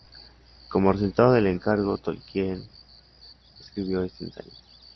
Como resultado del encargo, Tolkien escribió este ensayo.